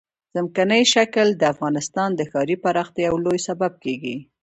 ځمکنی شکل د افغانستان د ښاري پراختیا یو لوی سبب کېږي.